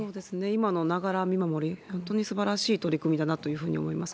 今のながら見守り、本当にすばらしい取り組みだなというふうに思います。